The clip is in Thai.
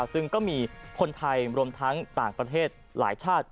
ซึ่งก็มีคนไทยรวมทั้งต่างประเทศหลายชาติ